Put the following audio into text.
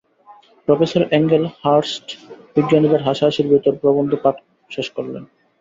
Professor Angel Hurst বিজ্ঞানীদের হাসাহসির ভেতর প্রবন্ধ পাঠ শেষ করলেন।